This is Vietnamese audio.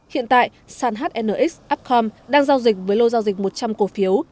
hiện tại sàn hnx upcom đang giao dịch với lô giao dịch một trăm linh cổ phiếu